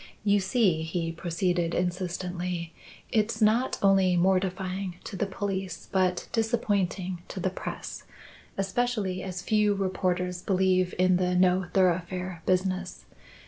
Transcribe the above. "You see," he proceeded insistently, "it's not only mortifying to the police but disappointing to the press, especially as few reporters believe in the No thoroughfare business.